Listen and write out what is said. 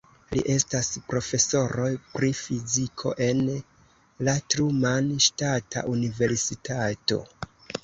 Li estas profesoro pri fiziko en la Truman Ŝtata Universitato.